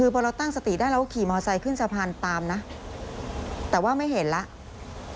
พอเราตั้งสติได้เราก็ขี่มอไซค์ขึ้นสะพานตามนะแต่ว่าไม่เห็นแล้ว